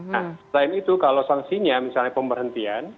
nah selain itu kalau sanksinya misalnya pemberhentian